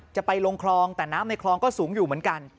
จะไปลงคลองแต่น้ำในคลองก็สูงอยู่เหมือนกัน